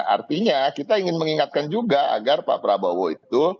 artinya kita ingin mengingatkan juga agar pak prabowo itu